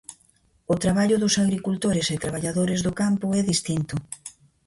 O traballo dos agricultores e traballadores do campo é distinto.